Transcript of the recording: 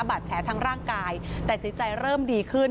บาดแผลทั้งร่างกายแต่จิตใจเริ่มดีขึ้น